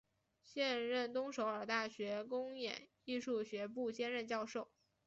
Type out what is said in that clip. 现任东首尔大学公演艺术学部兼任教授。